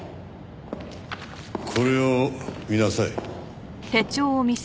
これを見なさい。